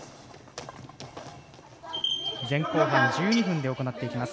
前後半１２分で行っていきます。